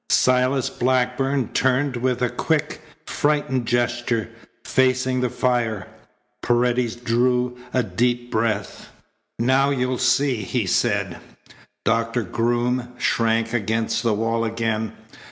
Silas Blackburn turned with a quick, frightened gesture, facing the fire. Paredes drew a deep breath. "Now you'll see," he said. Doctor Groom shrank against the wall again.